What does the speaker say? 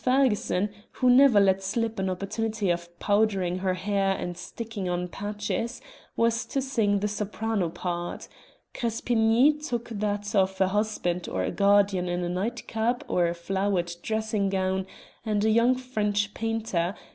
Ferguson, who never let slip an opportunity of powdering her hair and sticking on patches, was to sing the soprano part; Crespigny took that of a husband or a guardian in a nightcap or flowered dressing gown, and a young French painter, M.